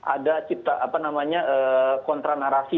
ada cipta kontranarasi